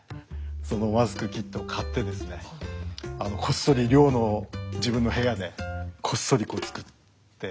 そのマスクキットを買ってですねこっそり寮の自分の部屋でこっそりこう作って。